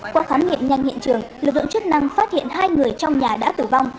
qua khám nghiệm nhanh hiện trường lực lượng chức năng phát hiện hai người trong nhà đã tử vong